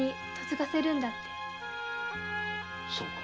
そうか。